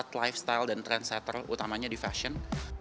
kita melihat lifestyle dan trendsetter utamanya di fashion